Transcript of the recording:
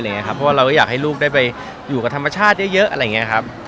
เพราะเราก็อยากให้ลูกได้ไปอยู่กับธรรมชาติเยอะ